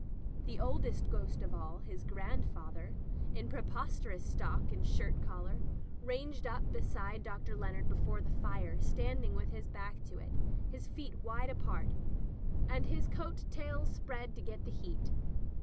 The oldest ghost of all, his grandfather, in preposterous stock and shirt collar, ranged up beside Dr. Leonard before the fire, standing with his back to it, his feet wide apart, and his coat tails spread to get the heat.